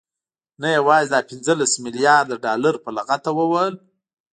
نه يوازې دا پنځلس مليارده ډالر په لغته ووهل،